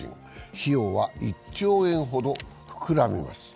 費用は１兆円ほど膨らみます。